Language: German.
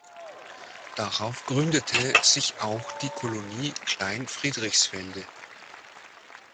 Darauf gründete sich auch die Kolonie Klein Friedrichsfelde.